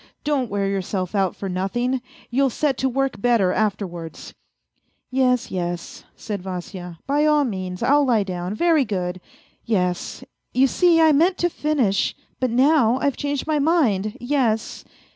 Don't wear yourself out for nothing I You'll set to work better afterwards." " Yes, yes," said Vasya, " by all means, I'll lie down, very good. Yes ! you see I meant to finish, but now I've changed my mind, yes.